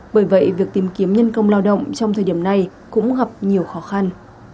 bởi vậy việc tìm kiếm nhân công lao động trong thời điểm này cũng gặp nhiều khó khăn